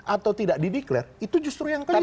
atau tidak dideklarasi itu justru yang keliru